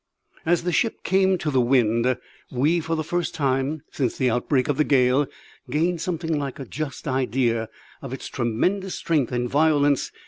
As the ship came to the wind we, for the first time since the outburst of the gale, gained something like a just idea of its tremendous strength and violence.